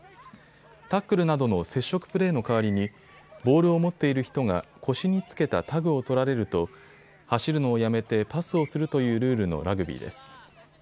タックルなどの接触プレーの代わりにボールを持っている人が腰に付けたタグを取られると走るのをやめてパスをするというルールのラグビーです。